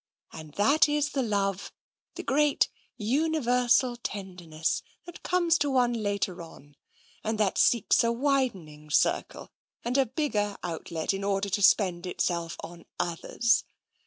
And that is the love, the great universal ten derness, that comes to one later on, and that seeks a widening circle, and a bigger outlet, in order to spend itself on others.